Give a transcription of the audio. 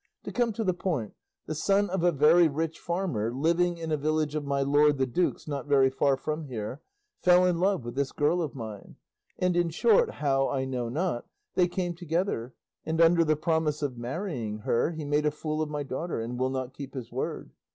To come to the point, the son of a very rich farmer, living in a village of my lord the duke's not very far from here, fell in love with this girl of mine; and in short, how I know not, they came together, and under the promise of marrying her he made a fool of my daughter, and will not keep his word.